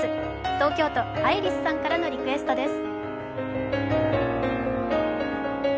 東京都ＩＲＩＳさんからのリクエストです。